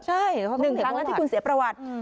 ใช่ต้องเห็นครั้งนั้นที่คุณเสียประวัติ